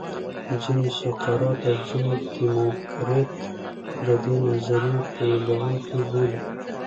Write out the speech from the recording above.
ځینې سقرات او ځینې دیموکریت د دې نظریې پیلوونکي بولي